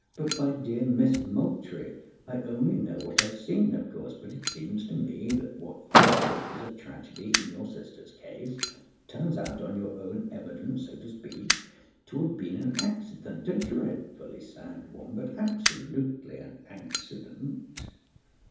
"But, my dear Miss Moultrie, I only know what I've seen, of course, but it seems to me that what you thought was a tragedy in your sister's case, turns out, on your own evidence, so to speak, to have been an accident—a dreadfully sad one—but absolutely an accident."